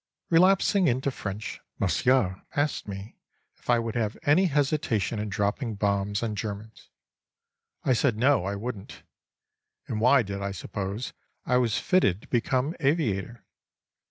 Relapsing into French, Monsieur asked me if I would have any hesitation in dropping bombs on Germans? I said no, I wouldn't. And why did I suppose I was fitted to become aviator?